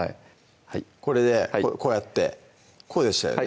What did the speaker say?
これでこうやってこうでしたよね